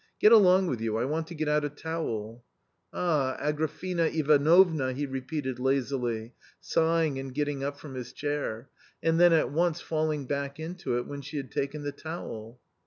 " Get along with you, I want to get out a towel." "Ah, Agrafena Ivanovna !" he repeated lazily, sighing and getting up from his chair, and then at once falling back into it when she had taken the towel.